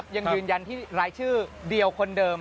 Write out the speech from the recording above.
ยังยืนยันที่รายชื่อเดียวคนเดิม